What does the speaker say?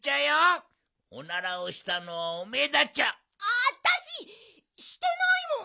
あたししてないもん！